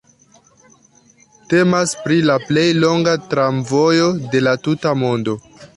Temas pri la plej longa tramvojo de la tuta mondo.